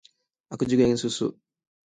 Aku juga ingin susu.